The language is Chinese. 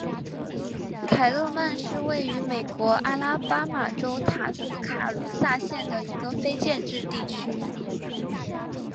凯勒曼是位于美国阿拉巴马州塔斯卡卢萨县的一个非建制地区。